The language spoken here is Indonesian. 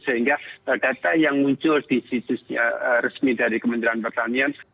sehingga data yang muncul di situs resmi dari kementerian pertanian